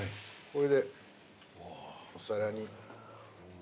これでお皿に。